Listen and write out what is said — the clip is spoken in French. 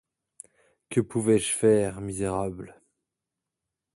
Que pouvais-je faire, misérable?